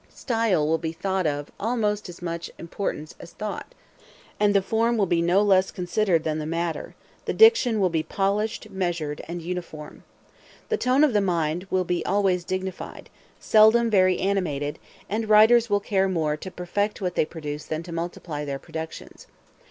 Style will be thought of almost as much importance as thought; and the form will be no less considered than the matter: the diction will be polished, measured, and uniform. The tone of the mind will be always dignified, seldom very animated; and writers will care more to perfect what they produce than to multiply their productions.